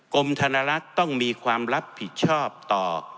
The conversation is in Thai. กรมธนรัฐต้องมีความรับผิดชอบต่อ